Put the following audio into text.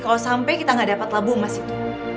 kalau sampai kita gak dapat labu emas itu